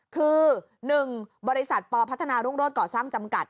คือ๑บริษัทปพัฒนารุ่งโรศก่อสร้างจำกัด